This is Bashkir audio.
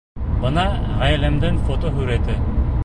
Бына ғаиләмдең фотоһүрәте